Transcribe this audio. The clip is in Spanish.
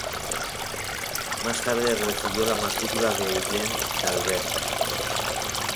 Más tarde recibió la matrícula de Eugen d'Albert.